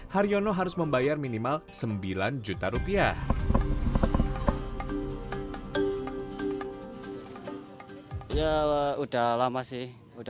har yono harus membayar minimal sembilan juta rupiah